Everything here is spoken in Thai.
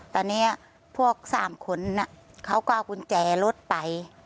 ตอนนี้พวก๓คนเขาก็เอากุญแจรถไป